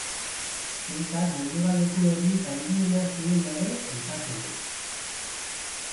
Zeltak Mendebaldeko herririk handiena zirela ere aipatzen du.